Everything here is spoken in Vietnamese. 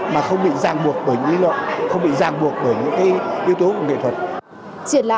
mà không bị giang buộc bởi những yếu tố của nghệ thuật